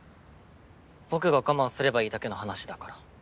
僕が我慢すればいいだけの話だから。